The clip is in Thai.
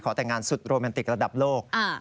แต่งงานสุดโรแมนติกระดับโลก